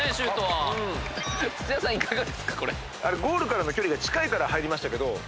ゴールからの距離が近いから入りましたけど。